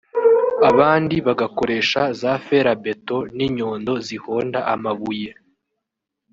abandi bagakoresha za ferabeto n’inyundo zihonda amabuye